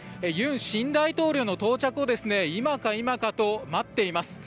尹新大統領の到着を今か今かと待っています。